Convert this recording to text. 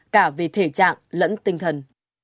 cả vì thể trạng lẫn tinh thần